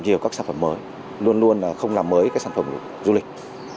nhiều các sản phẩm mới luôn luôn là không làm mới cái sản phẩm du lịch